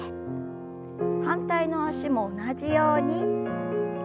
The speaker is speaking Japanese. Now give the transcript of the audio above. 反対の脚も同じように。